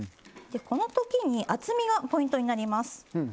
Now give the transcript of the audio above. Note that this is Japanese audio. このときに厚みがポイントになります。